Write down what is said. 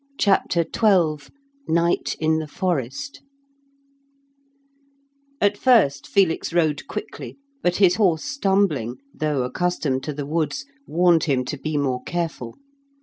CHAPTER XII NIGHT IN THE FOREST At first Felix rode quickly, but his horse stumbling, though accustomed to the woods, warned him to be more careful.